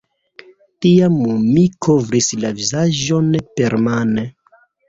Tiam mi kovris la vizaĝon permane.